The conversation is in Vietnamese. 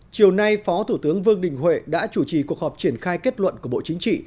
chiều nay phó thủ tướng vương đình huệ đã chủ trì cuộc họp triển khai kết luận của bộ chính trị